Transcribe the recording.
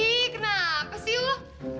ih kenapa sih lo